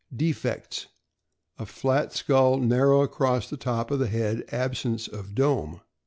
Defects: A flat skull, narrow across the top of head, absence of dome.